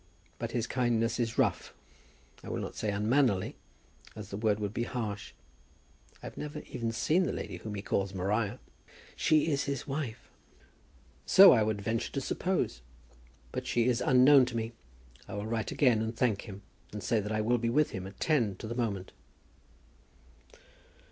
But his kindness is rough; I will not say unmannerly, as the word would be harsh. I have never even seen the lady whom he calls Maria." "She is his wife!" "So I would venture to suppose; but she is unknown to me. I will write again, and thank him, and say that I will be with him at ten to the moment."